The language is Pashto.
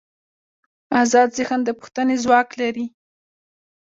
ازاد ذهن د پوښتنې ځواک لري.